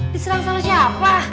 diserang sama siapa